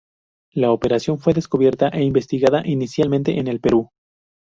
La operación fue descubierta e investigada inicialmente en el Perú.